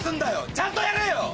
ちゃんとやれよ！